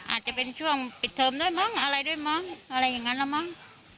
อาจจะเป็นช่วงปิดเทอมด้วยมั้งอะไรด้วยมั้งอะไรอย่างนั้นแล้วมั้ง